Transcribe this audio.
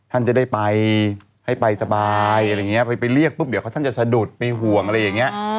ท่านจะได้ไปให้ไปสบายอะไรอย่างนี้ไปเรียกปุ๊บเดี๋ยวท่านจะสะดุดไปห่วงอะไรอย่างนี้